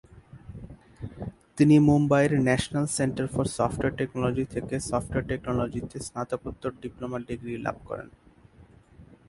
তিনি মুম্বাইয়ের national centre for software technology থেকে সফ্টওয়্যার টেকনোলজিতে স্নাতকোত্তর ডিপ্লোমা ডিগ্রি লাভ করেন।